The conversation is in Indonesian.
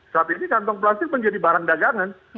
saat ini kantong plastik menjadi barang dagangan